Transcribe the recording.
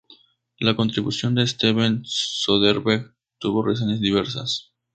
La contribución de Steven Soderbergh tuvo reseñas diversas.